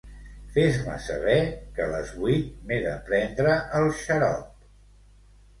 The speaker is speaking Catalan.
Fes-me saber que les vuit m'he de prendre el xarop.